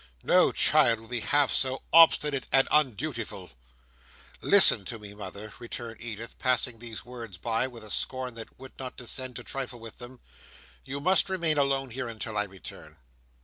No child would be half so obstinate and undutiful." "Listen to me, mother," returned Edith, passing these words by with a scorn that would not descend to trifle with them. "You must remain alone here until I return."